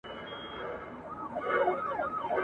د حاجي لالي په باب څېړنه روانه ده.